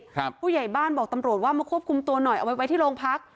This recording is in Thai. ผู้ใหญ่บ้านบอกตำรวจว่ามาควบคุมตัวหน่อยเอาไว้ไว้ที่โรงพัก